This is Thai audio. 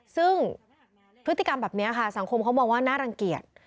ซึ่งพฤติกรรมแบบนี้ค่ะสังคมเขามองว่าน่ารังเกียจ